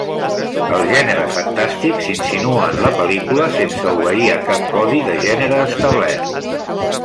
El gènere fantàstic s'insinua en la pel·lícula sense obeir a cap codi de gènere establert.